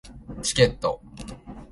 チケット